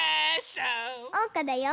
おうかだよ。